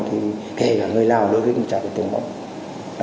thì kể cả người lào đối với cũng chả biết tiếng mông